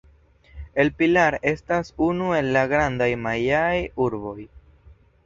El Pilar estas unu el la grandaj majaaj urboj.